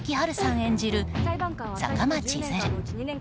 演じる坂間千鶴。